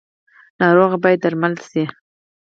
ناروغه باید درمل شي